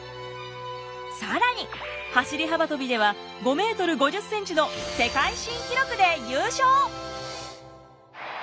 更に走り幅跳びでは５ｍ５０ｃｍの世界新記録で優勝。